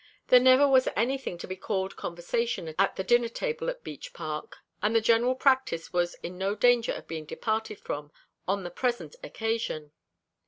There never was anything to be called conversation at the dinner table at Beech Park; and the general practice was in no danger of being departed from on the present occasion.